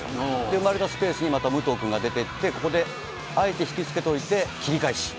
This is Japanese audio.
生まれたスペースにまた武藤君が出ていって、ここであえて引き付けといて切り返し。